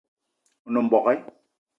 O nem mbogue